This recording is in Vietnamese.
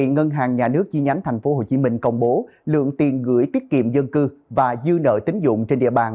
ngân hàng nhà nước chi nhánh tp hcm công bố lượng tiền gửi tiết kiệm dân cư và dư nợ tính dụng trên địa bàn